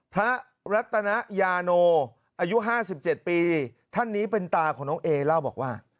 พระรัตนยาโนอายุ๕๗ปีท่านนี้เป็นตาของน้องเอเล่าบอกว่า